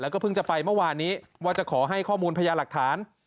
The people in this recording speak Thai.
แล้วก็เพิ่งจะไปเมื่อวานนี้ว่าจะขอให้ข้อมูลพญาหลักฐาน